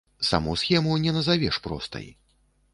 Саму схему не назавеш простай.